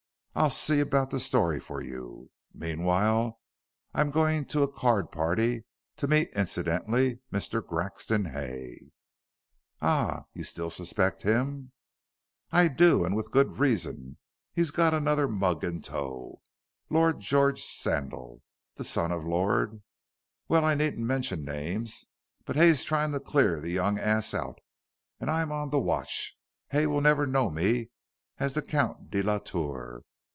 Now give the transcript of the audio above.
"I'll see about the story for you. Meanwhile, I am going to a card party to meet, incidentally, Mr. Grexon Hay." "Ah! You still suspect him?" "I do, and with good reason. He's got another mug in tow. Lord George Sandal, the son of Lord well I needn't mention names, but Hay's trying to clear the young ass out, and I'm on the watch. Hay will never know me as the Count de la Tour.